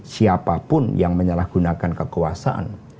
siapapun yang menyalahgunakan kekuasaan